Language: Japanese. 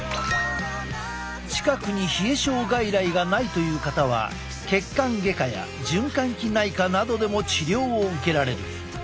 近くに冷え症外来がないという方は血管外科や循環器内科などでも治療を受けられる。